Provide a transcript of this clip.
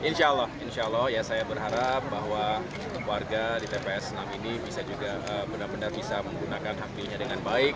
insya allah insya allah ya saya berharap bahwa warga di tps enam ini bisa juga benar benar bisa menggunakan hak pilihnya dengan baik